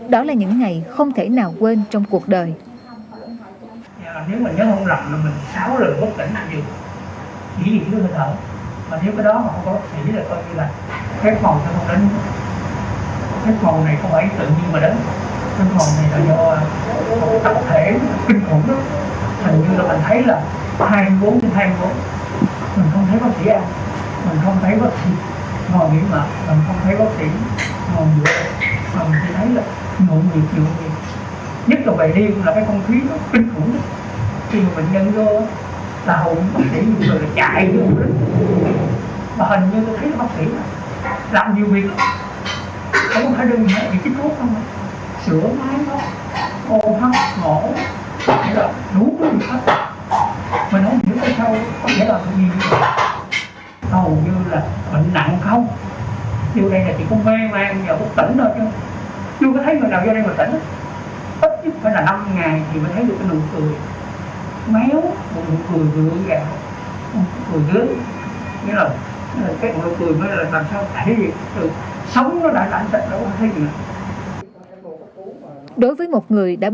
đó là những ngày không thể nào quên trong cuộc đời